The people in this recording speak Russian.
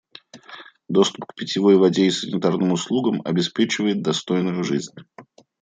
Доступ к питьевой воде и санитарным услугам обеспечивает достойную жизнь.